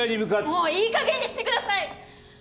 もういいかげんにしてください！